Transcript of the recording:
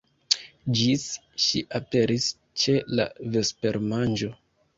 Ĝis ŝi aperis ĉe la vespermanĝo.